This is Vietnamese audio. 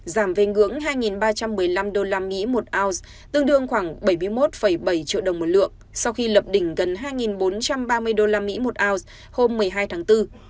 giảm về ngưỡng hai ba trăm một mươi năm đô la mỹ một ounce tương đương khoảng bảy mươi một bảy triệu đồng một lượng sau khi lập đỉnh gần hai bốn trăm ba mươi đô la mỹ một ounce hôm một mươi hai tháng bốn